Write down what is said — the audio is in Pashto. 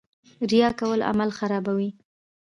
ریا کول عمل خرابوي